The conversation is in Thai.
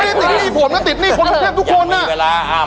ไม่ได้ติดนี่ผมก็ติดนี่คนเพื่อนเพื่อนทุกคนอ่ะอย่ามีเวลาอ้าว